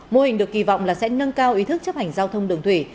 mô hình được kỳ vọng là sẽ nâng cao ý thức chấp hành giao thông đường thủy